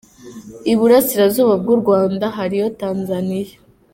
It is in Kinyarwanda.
Iburasirazuba bw’u Rwanda hariyo tanzaniya.